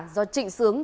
do trịnh sướng